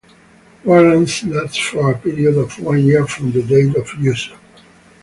Warrants last for a period of one year from the date of issue.